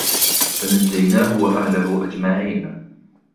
فَنَجَّيْنَاهُ وَأَهْلَهُ أَجْمَعِينَ